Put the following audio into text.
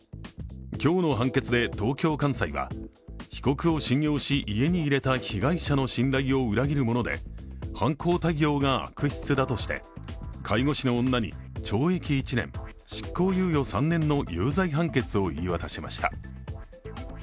今日の判決で東京簡裁は、被告を信用し家に入れた被害者の信頼を裏切るもので犯行態様が悪質だとして介護士の女に懲役１年、執行猶予３年の有罪判決を言い渡しました。